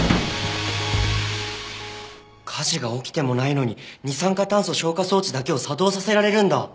火事が起きてもないのに二酸化炭素消火装置だけを作動させられるんだ！